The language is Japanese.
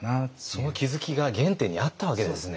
その気づきが原点にあったわけですね。